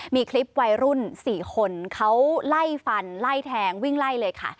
มีคลิปวัยรุ่น๔คนเขาไล่ฟันไล่แทงวิ่งไล่เลยค่ะ